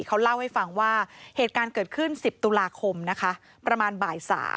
เขาเล่าให้ฟังว่าเหตุการณ์เกิดขึ้น๑๐ตุลาคมนะคะประมาณบ่าย๓